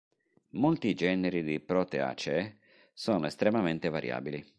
Molti generi di Proteaceae sono estremamente variabili.